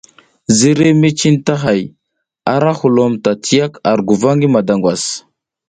Ziriy mi cintahay arahulom tatiyak ar guva ngi madangwas.